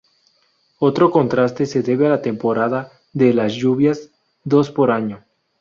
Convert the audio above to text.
Otro contraste se debe a la temporada de las lluvias, dos por año.